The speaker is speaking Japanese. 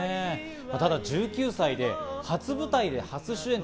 ただ１９歳で、初舞台で初主演。